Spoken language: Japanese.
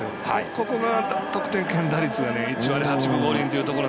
ここが得点圏打率が１割８分５厘というところ。